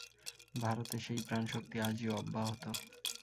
ভারতে সেই প্রাণশক্তি আজিও অব্যাহত।